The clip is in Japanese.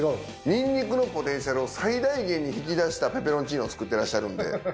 ニンニクのポテンシャルを最大限に引き出したペペロンチーノを作ってらっしゃるんで。